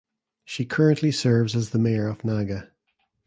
She currently serves as the mayor of Naga.